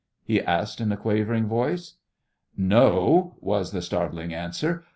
he asked in a quavering voice. "No," was the startling answer.